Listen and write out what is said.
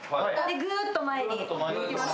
ぐっと前にいきますよ。